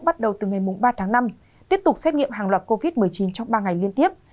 bắt đầu từ ngày ba tháng năm tiếp tục xét nghiệm hàng loạt covid một mươi chín trong ba ngày liên tiếp